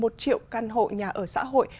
một triệu căn hộ nhà ở xã hội